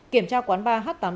kiểm tra quán ba h tám mươi tám